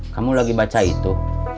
kamu lagi baca itu